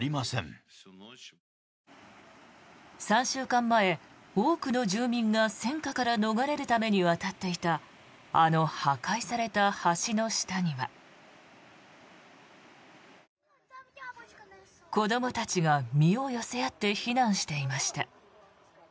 ３週間前、多くの住民が戦火から逃れるために渡っていたあの破壊された橋の下には子どもたちが身を寄せ合って避難していました。